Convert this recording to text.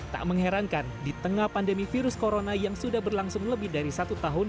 tak mengherankan di tengah pandemi virus corona yang sudah berlangsung lebih dari satu tahun